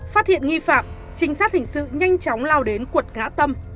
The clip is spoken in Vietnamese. phát hiện nghi phạm trinh sát hình sự nhanh chóng lao đến cuột ngã tâm